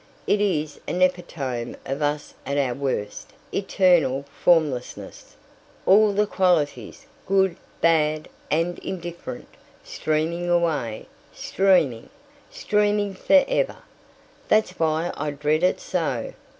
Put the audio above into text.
It is an epitome of us at our worst eternal formlessness; all the qualities, good, bad, and indifferent, streaming away streaming, streaming for ever. That's why I dread it so.